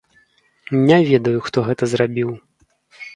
Не ведаю, хто гэта зрабіў.